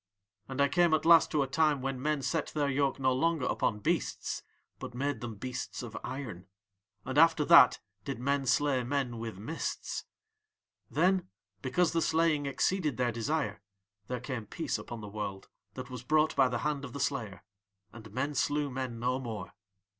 "And I came at last to a time when men set their yoke no longer upon beasts but made them beasts of iron. "And after that did men slay men with mists. "Then, because the slaying exceeded their desire, there came peace upon the world that was brought by the hand of the slayer, and men slew men no more.